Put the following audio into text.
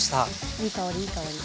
いい香りいい香り。